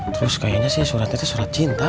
terus kayaknya sih suratnya tuh surat cinta